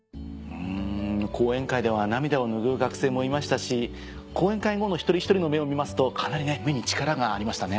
講演会では涙を拭う学生もいましたし講演会後の一人一人の目を見ますとかなり目に力がありましたね。